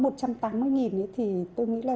thì tôi nghĩ là hiện nay